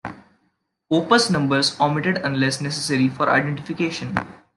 Opus numbers omitted unless necessary for identification.